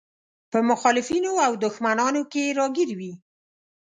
په مخالفينو او دښمنانو کې راګير وي.